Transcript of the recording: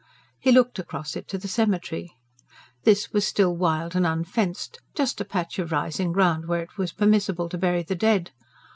He looked across it to the cemetery. This was still wild and unfenced just a patch of rising ground where it was permissible to bury the dead.